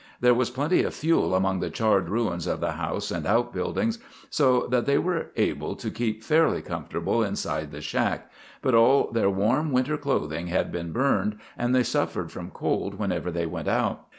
There was plenty of fuel among the charred ruins of the house and outbuildings, so that they were able to keep fairly comfortable inside the shack, but all their warm winter clothing had been burned and they suffered from cold whenever they went out.